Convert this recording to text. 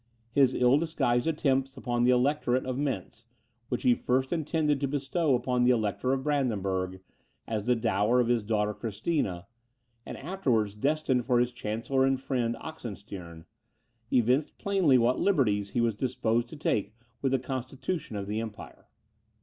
His ill disguised attempts upon the Electorate of Mentz, which he first intended to bestow upon the Elector of Brandenburg, as the dower of his daughter Christina, and afterwards destined for his chancellor and friend Oxenstiern, evinced plainly what liberties he was disposed to take with the constitution of the empire.